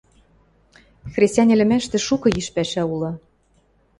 Хресӓнь ӹлӹмӓштӹ шукы йиш пӓшӓ улы.